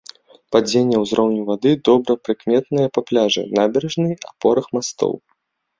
Падзенне ўзроўню вады добра прыкметнае па пляжы, набярэжнай, апорах мастоў.